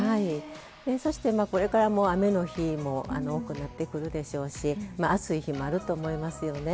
そして、これからも雨の日も多くなってくるでしょうし暑い日もあると思いますよね。